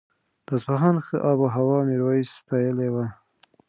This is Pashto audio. د اصفهان ښه آب و هوا میرویس ستایلې وه.